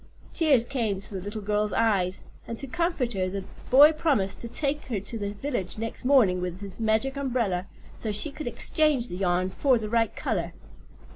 Tears came to the little girl's eyes, and to comfort her the boy promised to take her to the village next morning with his magic umbrella, so she could exchange the yarn for the right color.